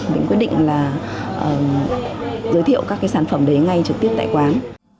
mình quyết định giới thiệu các sản phẩm đấy ngay trực tiếp tại quán